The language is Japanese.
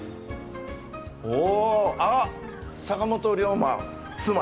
お、あっ、坂本龍馬妻